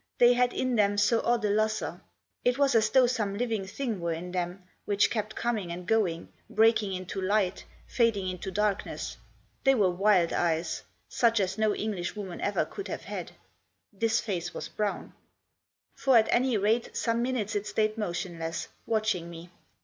They had in them so odd a lustre. It was as though some living thing were in them, which kept coming and going, breaking into light, fading into darkness. They were wild eyes ; such as no Englishwoman ever could have had. This face was brown. For at any rate some minutes it stayed motionless, watching me.